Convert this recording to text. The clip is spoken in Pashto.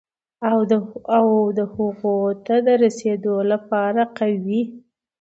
او د هغو ته د رسېدو لپاره قوي،